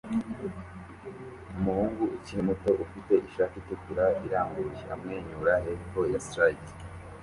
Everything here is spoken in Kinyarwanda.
Umuhungu ukiri muto ufite ishati itukura irambuye amwenyura hepfo ya slide